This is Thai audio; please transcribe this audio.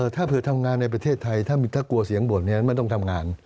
ถ้าเผื่อทำงานในประเทศไทยถ้ากลัวเสียงบ่นไม่ต้องทำงาน